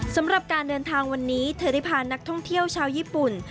สำหรับการเดินทางวันนี้เธอได้พานักท่องเที่ยวชาวญี่ปุ่น